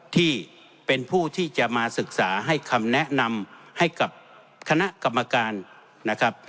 ที่เป็นผู้ที่จะมาศึกษาให้คำแนะนำให้กับคณะกรรมการนะครับ